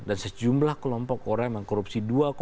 dan sejumlah kelompok orang yang mengkorupsi